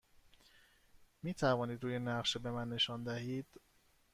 می توانید روی نقشه به من نشان دهید؟